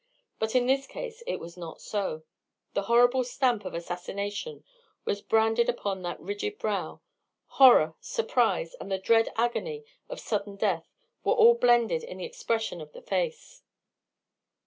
But in this case it was not so. The horrible stamp of assassination was branded upon that rigid brow. Horror, surprise, and the dread agony of sudden death were all blended in the expression of the face.